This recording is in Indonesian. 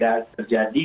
dah hari ini